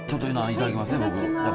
いただきます。